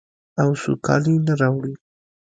او سوکالي نه راوړي.